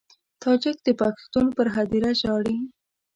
تاجک د پښتون پر هدیره ژاړي.